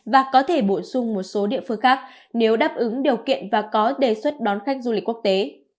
và có thể bổ sung một số địa phương khác nếu đáp ứng điều kiện và có đề xuất đón khách du lịch quốc tế